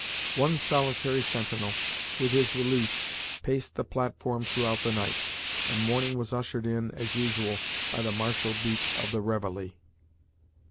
One solitary sentinel, with his relief, paced the platform throughout the night, and morning was ushered in, as usual, by the martial beat of the reveille.